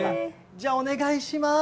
じゃあお願いします。